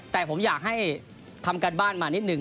แต่ผมอยากให้ทำการบ้านมานิดหนึ่ง